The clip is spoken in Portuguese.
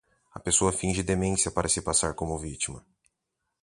A pessoa finge demência para se passar como vítima.